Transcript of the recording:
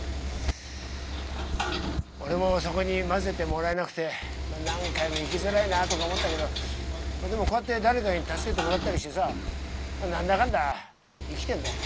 俺もそこに交ぜてもらえなくて何回も生きづらいなとか思ったけどでもこうやって誰かに助けてもらったりしてさ何だかんだ生きてんだよ。